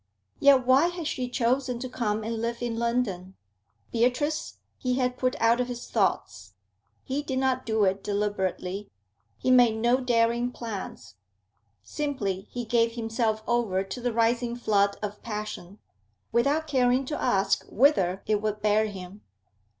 Yet why had she chosen to come and live in London? Beatrice he had put out of his thoughts. He did not do it deliberately; he made no daring plans; simply he gave himself over to the rising flood of passion, without caring to ask whither it would bear him.